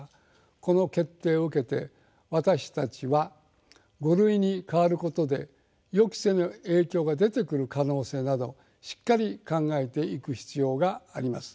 この決定を受けて私たちは「５類」に変わることで予期せぬ影響が出てくる可能性などしっかり考えていく必要があります。